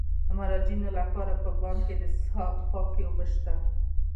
د مراجعینو لپاره په بانک کې د څښاک پاکې اوبه شته.